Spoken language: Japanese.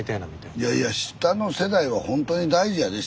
いやいや下の世代はほんとに大事やで。